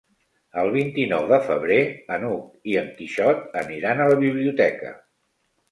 El vint-i-nou de febrer n'Hug i en Quixot aniran a la biblioteca.